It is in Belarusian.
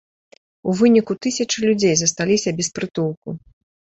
У выніку тысячы людзей засталіся без прытулку.